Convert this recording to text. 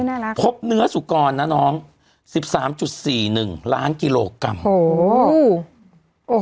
น่ารักพบเนื้อสุกรนะน้องสิบสามจุดสี่หนึ่งล้านกิโลกรัมโอ้โห